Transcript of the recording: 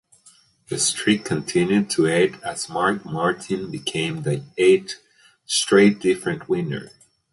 The streak continued to eight as Mark Martin became the eight straight different winner.